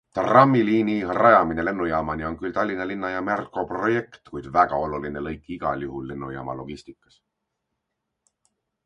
Trammiliini rajamine lennujaamani on küll Tallinna linna ja Merko projekt, kuid väga oluline lõik igal juhul lennujaama logistikas.